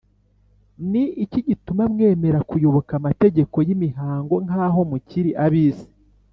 ni iki gituma mwemera kuyoboka amategeko y’imihango nk’aho mukiri ab’isi